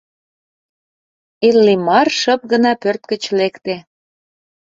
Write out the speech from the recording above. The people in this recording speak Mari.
Иллимар шып гына пӧрт гыч лекте.